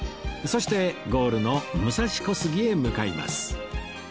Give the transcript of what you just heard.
そしてゴールの武蔵小杉へ向かいます